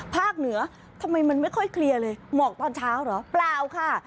เหนือทำไมมันไม่ค่อยเคลียร์เลยหมอกตอนเช้าเหรอเปล่าค่ะ